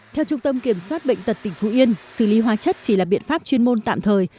theo trung tâm kiểm soát bệnh tật tỉnh phú yên xử lý hóa chất chỉ là biện pháp chuyên môn tạm thời